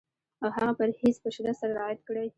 او هغه پرهېز په شدت سره رعایت کړي.